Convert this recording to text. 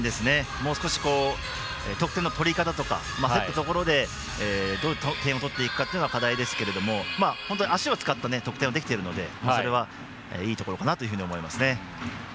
もう少し、得点の取り方とか競ったところで点を取っていくのが課題ですけど足を使った得点をできているのでそれはいいところかなと思いますね。